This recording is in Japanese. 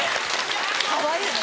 かわいいね。